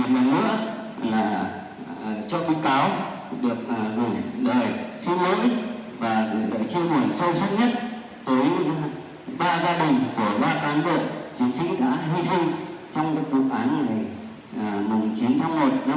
một lần nữa cho bị cáo được gửi lời xin lỗi và gửi lời chia nguồn sâu sắc nhất tới ba gia đình của ba cán bộ chiến sĩ đã hy sinh trong vụ án chín tháng một năm hai nghìn hai mươi